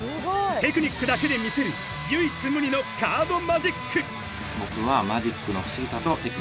［テクニックだけで見せる唯一無二のカードマジック］